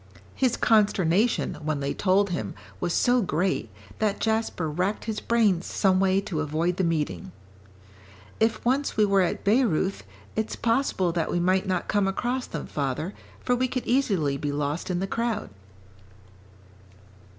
His consternation, when they told him, was so great, that Jasper racked his brains some way to avoid the meeting. "If once we were at Bayreuth, it's possible that we might not come across them, father, for we could easily be lost in the crowd."